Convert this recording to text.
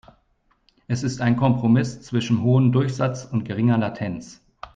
Es ist ein Kompromiss zwischen hohem Durchsatz und geringer Latenz.